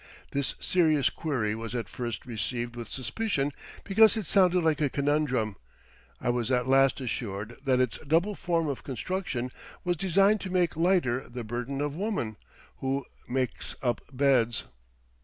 This serious query was at first received with suspicion because it sounded like a conundrum. I was at last assured that its double form of construction was designed to make lighter the burden of woman, who makes up beds.